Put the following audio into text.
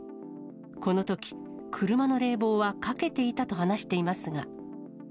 このとき、車の冷房はかけていたと話していますが。